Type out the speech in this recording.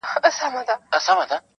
• ور آزاد به وي مزلونه -